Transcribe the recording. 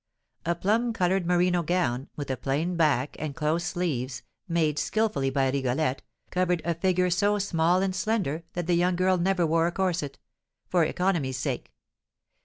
A plum coloured merino gown, with a plain back and close sleeves, made skilfully by Rigolette, covered a figure so small and slender that the young girl never wore a corset, for economy's sake.